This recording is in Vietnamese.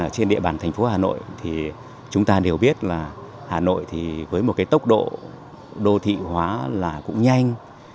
trên địa bàn thành phố hà nội chúng ta đều biết là hà nội với một tốc độ đô thị hóa cũng nhanh